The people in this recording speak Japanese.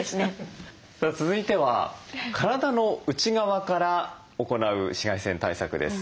さあ続いては体の内側から行う紫外線対策です。